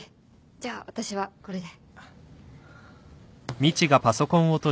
じゃあ私はこれで。